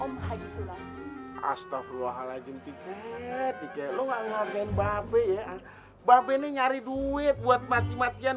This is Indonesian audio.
om haji sulawesi astagfirullahaladzim tiket tiket luang agen babi ya babi nih nyari duit buat mati matian